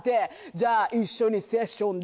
「じゃあ一緒にセッションだ」